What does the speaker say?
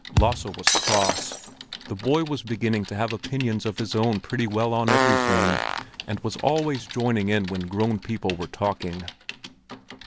Lasse was cross. The boy was beginning to have opinions of his own pretty well on everything, and was always joining in when grown people were talking.